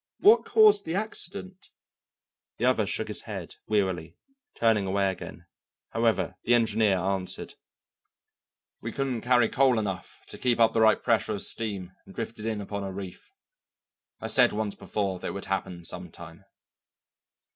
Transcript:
What caused the accident?" The other shook his head, wearily, turning away again. However, the engineer answered: "We couldn't carry coal enough to keep up the right pressure of steam and drifted in upon a reef. I said once before that it would happen some time."